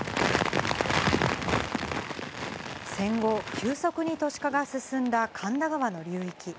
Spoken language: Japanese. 戦後、急速に都市化が進んだ神田川の流域。